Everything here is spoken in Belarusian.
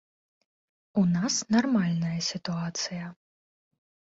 У нас нармальная сітуацыя.